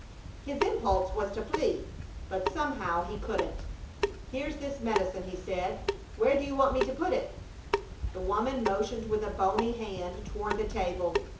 His impulse was to flee, but somehow he couldn't. "Here's this medicine," he said. "Where do you want me to put it?" The woman motioned with a bony hand toward the table.